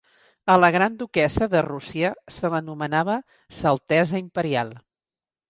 A la Gran Duquessa de Rússia se l'anomenava "Sa Altesa Imperial".